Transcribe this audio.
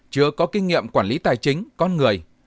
chưa có kinh nghiệm quản lý tài chính con người